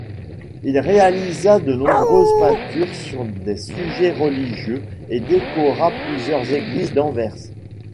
Il réalisa de nombreuses peintures sur des sujets religieux et décora plusieurs églises d'Anvers.